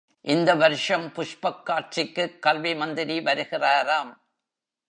இந்த வருஷம் புஷ்பக் காட்சிக்குக் கல்வி மந்திரி வருகிறாராம்.